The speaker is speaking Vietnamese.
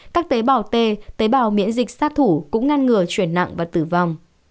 các tế bào t tế bào miễn dịch sát thủ cũng ngăn ngừa chuyển nặng và tử vong